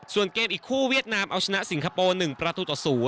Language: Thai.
ส่วนเกมอีกคู่เวียดนามเอาชนะสิงคโปร์๑ประตูต่อ๐